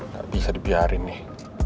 gak bisa dibiarin nih